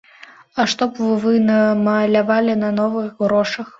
А што б вы намалявалі на новых грошах?